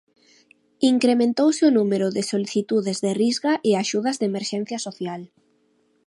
Incrementouse o número de solicitudes de Risga e axudas de emerxencia social.